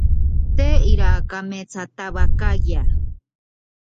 No hubo amnistía.